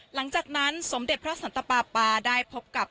หลังจากนั้นสมเด็จพระสันตปาปาได้พบกับ